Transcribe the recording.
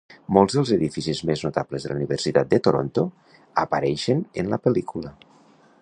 Molts dels edificis més notables de la Universitat de Toronto apareixen en la pel·lícula.